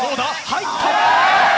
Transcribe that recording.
入った！